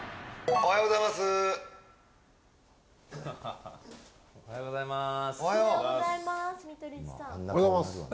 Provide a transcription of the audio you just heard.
おはようおはようございます